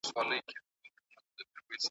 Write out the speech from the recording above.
خندا په خپلو پرهرونو کوم